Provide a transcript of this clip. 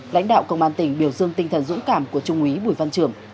lãnh đạo công an tỉnh biểu dương tinh thần dũng cảm của trung úy bùi văn trường